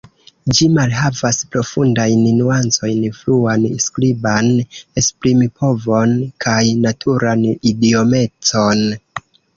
Ĝi malhavas profundajn nuancojn, fluan skriban esprimpovon kaj naturan idiomecon.